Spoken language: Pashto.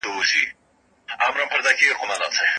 ستاره یونس